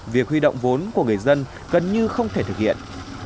việc huy động vốn của người dân gần như không thể thực hiện